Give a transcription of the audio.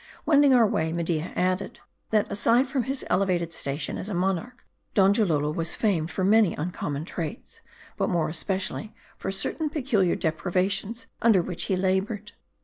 Wending our way, Media added, that aside from his ele vated station as a monarch, Donjalolo was famed for many uncommon traits ; but more especially for certain peculiar deprivations, under which he labored.